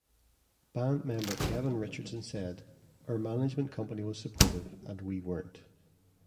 Band member Kevin Richardson said, Our management company was supportive and we weren't.